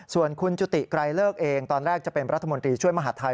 ส่วนคุณจุติไกรเลิกเองตอนแรกจะเป็นรัฐมนตรีช่วยมหาทัย